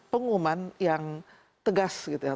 pengumuman yang tegas gitu ya